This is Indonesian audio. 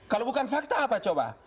kalau bukan fakta apa coba